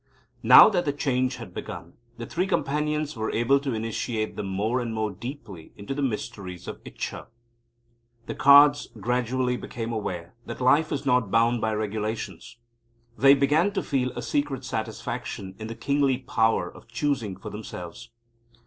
Now that the change had begun, the Three Companions were able to initiate them more and more deeply into the mysteries of Ichcha. The Cards gradually became aware that life was not bound by regulations. They began to feel a secret satisfaction in the kingly power of choosing for themselves.